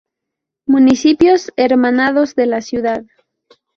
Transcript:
Municipios hermanados de la ciudad.